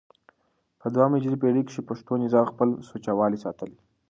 په دوهمه هجري پېړۍ کښي پښتو نظم خپل سوچه والى ساتلى دئ.